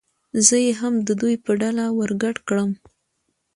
زه یې هم د دوی په ډله ور ګډ کړم.